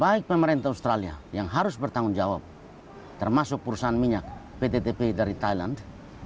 baik pemerintah australia yang harus bertanggung jawab termasuk perusahaan minyak pt tp dari thailand